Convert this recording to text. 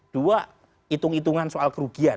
dua itung itungan soal kerugian